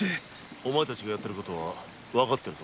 お前たちがやってることはわかってるぞ。